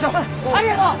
ありがとう！